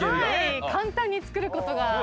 はい簡単に作ることが。